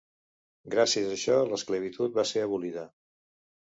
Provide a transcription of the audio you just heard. Gràcies a això, l’esclavitud va ser abolida.